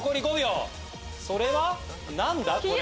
それは何だ？